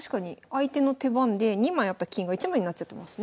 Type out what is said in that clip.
相手の手番で２枚あった金が１枚になっちゃってますね。